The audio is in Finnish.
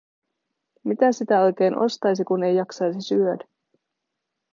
Mitä sitä oikein ostaisi, kun ei jaksaisi syödä?